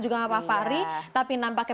juga pak fahri tapi nampaknya